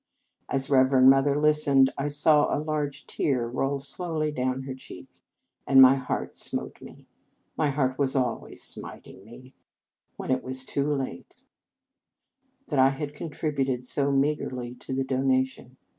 As Reverend Mother listened, I saw a large tear roll slowly down her cheek, and my heart smote me my heart was al ways smiting me when it was too 213 In Our Convent Days late that I had contributed so mea grely to the donation.